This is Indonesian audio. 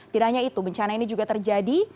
tidak hanya itu bencana ini juga terjadi